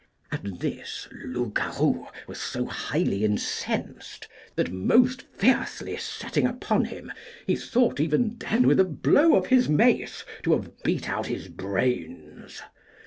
At this Loupgarou was so highly incensed that, most fiercely setting upon him, he thought even then with a blow of his mace to have beat out his brains.